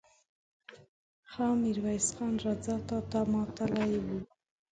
ها! ميرويس خان! راځه، تاته ماتله وو.